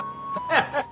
ハハハ！